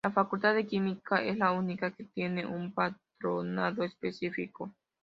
La Facultad de Química es la única que tiene un patronato específico.